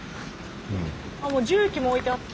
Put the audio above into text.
もう重機も置いてあって。